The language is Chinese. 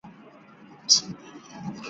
内藤胜介是日本战国时代武将。